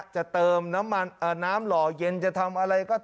เติมน้ำมันน้ำหล่อเย็นจะทำอะไรก็